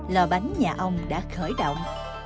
lò bánh nhà ông đã khởi động